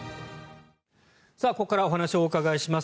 ここからお話をお伺いします